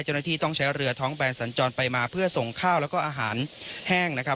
เจ้าหน้าที่ต้องใช้เรือท้องแบนสัญจรไปมาเพื่อส่งข้าวแล้วก็อาหารแห้งนะครับ